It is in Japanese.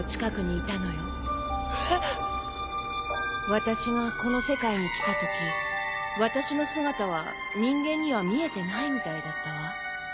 私がこの世界に来たとき私の姿は人間には見えてないみたいだったわ。